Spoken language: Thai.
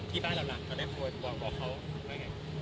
ที่บ้านเราล่ะเขาได้บอกเขาบอกเขาว่าไง